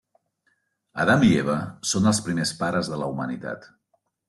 Adam i Eva són els primers pares de la humanitat.